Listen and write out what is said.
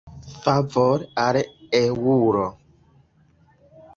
Favore al eŭro.